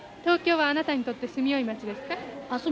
東京はあなたにとって住みよい町ですか？